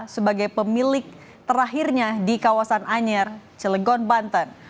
sebagai pemilik terakhirnya di kawasan anyer cilegon banten